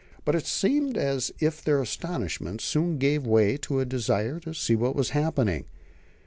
But it seemed as if their astonishment soon gave way to a desire to see what was happening.